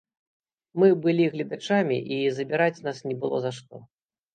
Мы былі гледачамі і забіраць нас не было за што.